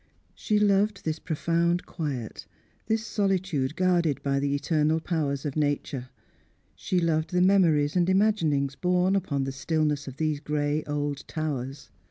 She loved this profound quiet, this solitude guarded by the eternal powers of nature. She loved the memories and imaginings borne upon the stillness of these grey old towers.